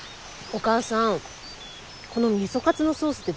お母さん！